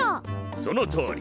そのとおり！